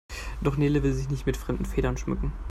Doch Nele will sich nicht mit fremden Federn schmücken.